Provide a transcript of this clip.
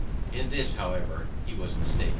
In this, however, he was mistaken.